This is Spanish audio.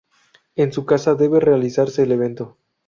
En su casa debe realizarse el evento.